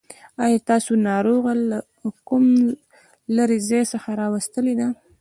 آيا تاسو ناروغه له کوم لرې ځای څخه راوستلې ده.